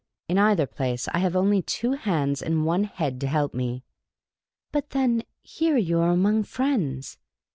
In either place, I have only two hands and one head to help nie. ''" But then, here you are among friends.